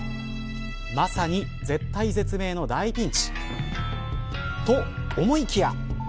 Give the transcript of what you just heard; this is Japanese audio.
まさに、絶体絶命の大ピンチ。と思いきや。